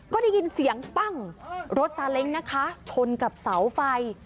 ก็ได้ยินเสียงปั้งรถซาเล้งนะคะชนกับเสาไฟ